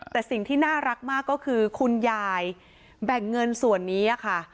แต่สิ่งที่น่ารักมากก็คือคุณยายแบ่งเงินส่วนนี้ค่ะ